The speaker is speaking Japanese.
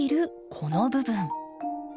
この部分。